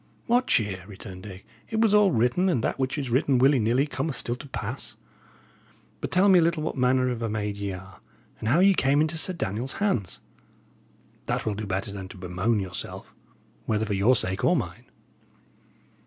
"What cheer!" returned Dick. "It was all written, and that which is written, willy nilly, cometh still to pass. But tell me a little what manner of a maid ye are, and how ye came into Sir Daniel's hands; that will do better than to bemoan yourself, whether for your sake or mine."